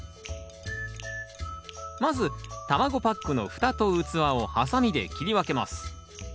まず卵パックのふたと器をハサミで切り分けます。